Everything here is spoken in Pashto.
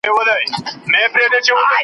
جهاني.